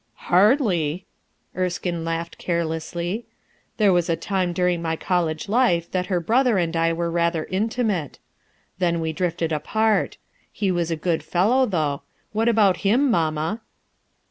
"Hardly !" Erskine laughed carelessly* "There was a time during my college life that her brother and I were rather intimate; then we drifted apart; he was a good fellow, though. What about him, mamma?"